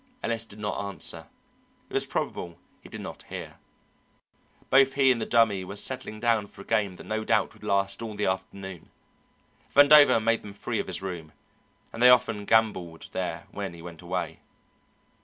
Ellis did not answer; it was probable he did not hear. Both he and the Dummy were settling down for a game that no doubt would last all the afternoon. Vandover made them free of his room, and they often gambled there when he was away.